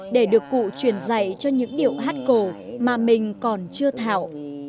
để được cụ truyền dạy cho những điệu hát cổ mà mình còn chưa thảo